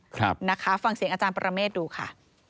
แทนหนิฟังเสียงอาจารย์ประเมฆดูค่ะ